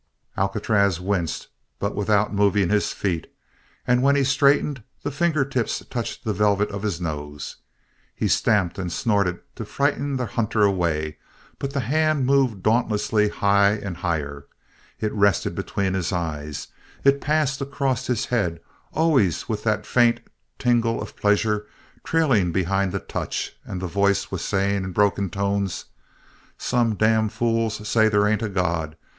Alcatraz winced, but without moving his feet; and when he straightened the finger tips touched the velvet of his nose. He stamped and snorted to frighten the hunter away but the hand moved dauntlessly high and higher it rested between his eyes it passed across his head, always with that faint tingle of pleasure trailing behind the touch; and the voice was saying in broken tones: "Some damn fools say they ain't a God!